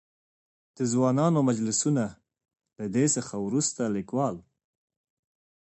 د ځوانانو مجلسونه؛ له دې څخه ورورسته ليکوال.